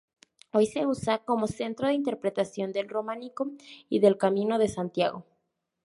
Hoy se usa como Centro de interpretación del Románico y del Camino de Santiago.